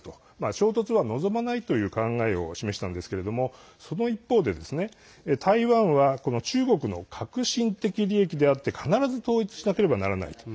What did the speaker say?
衝突は望まないという考えを示したんですけどその一方で台湾は中国の核心的利益であって必ず統一しなければならないと。